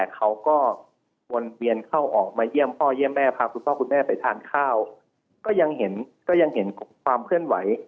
เขาก็วนเวียนเข้าออกมาเยี่ยมพ่อเยี่ยมแม่พาคุณพ่อคุณแม่ไปทานข้าวก็ยังเห็นก็ยังเห็นความเคลื่อนไหว